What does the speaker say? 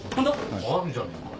あるんじゃねえか。